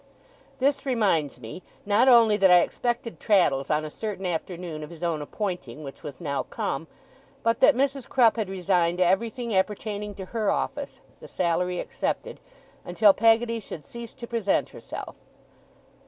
This reminds me, not only that I expected Traddles on a certain afternoon of his own appointing, which was now come, but that Mrs. Crupp had resigned everything appertaining to her office (the salary excepted) until Peggotty should cease to present herself.